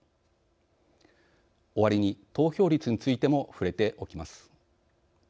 終わりに投票率についても触れておきます。